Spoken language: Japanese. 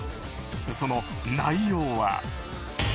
その内容は。